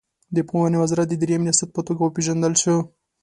د پوهنې وزارت د دریم ریاست په توګه وپېژندل شوه.